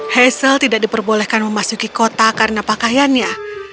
hazel tidak diperbolehkan memasuki kota karena pakaiannya